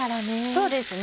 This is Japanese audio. そうですね。